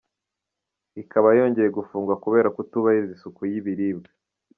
Ikaba yongeye gufungwa kubera kutubahiriza isuku y’ibiribwa.